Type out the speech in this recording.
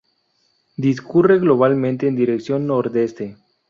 Discurre globalmente en dirección nordeste.